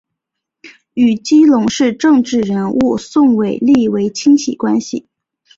与基隆市政治人物宋玮莉为亲戚关系。